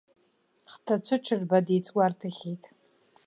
Хҭацәы ҽырба деицгәарҭахьеит.